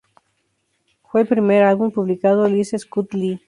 Fue el primer álbum publicado Lisa Scott-Lee.